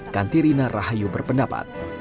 kantirina rahayu berpendapat